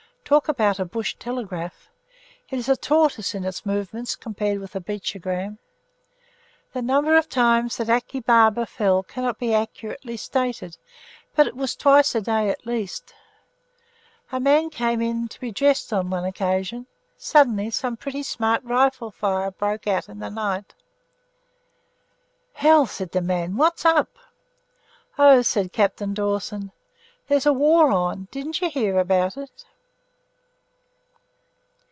Talk about a Bush Telegraph! It is a tortoise in its movements compared with a Beachogram. The number of times that Achi Baba fell cannot be accurately stated but it was twice a day at the least. A man came in to be dressed on one occasion; suddenly some pretty smart rifle fire broke out on the right. "Hell!" said the man, "what's up?" "Oh!" said Captain Dawson, "There's a war on didn't you hear about it?"